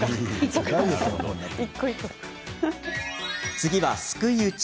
次は、すくい打ち。